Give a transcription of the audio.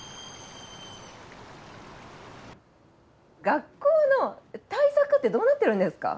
学校の対策ってどうなってるんですか？